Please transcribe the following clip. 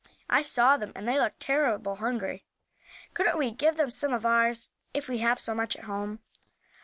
I saw them, and they looked terrible hungry. Couldn't we give them some of ours; if we have so much at home?"